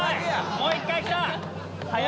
もう１回来た！